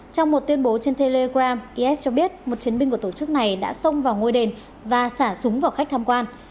trong một tuyên bố trên telegram is cho biết một chiến binh của tổ chức này đã xông vào ngôi đền và xả súng vào khách tham quan